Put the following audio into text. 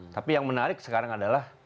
tapi yang menarik sekarang adalah